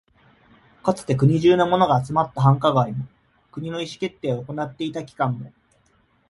かつて国中のものが集まった繁華街も、国の意思決定を行っていた機関も、